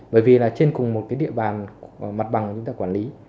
bởi vì là trên cùng một cái địa bàn mặt bằng chúng ta quản lý